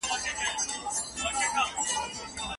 ژمی د خوار او غریب زیان دئ.